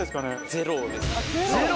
ゼロです。